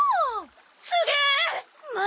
すげえー！